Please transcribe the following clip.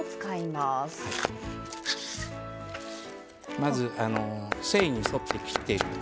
まず繊維に沿って切っていくと。